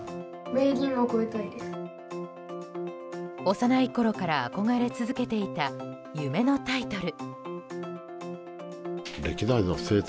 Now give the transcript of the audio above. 幼いころから憧れ続けていた夢のタイトル。